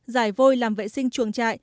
giải vôi làm vệ sinh chuồng trại